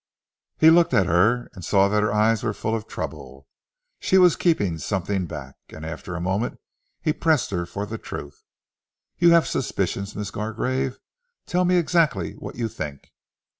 He looked at her and saw that her eyes were full of trouble. She was keeping something back, and after a moment he pressed her for the truth. "You have suspicions, Miss Gargrave. Tell me exactly what you think."